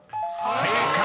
［正解！